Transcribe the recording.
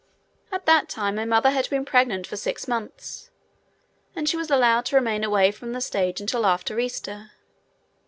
At that time my mother had been pregnant for six months, and she was allowed to remain away from the stage until after Easter.